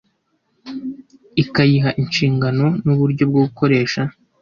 ikayiha inshingano n’uburyo bwo gukoresha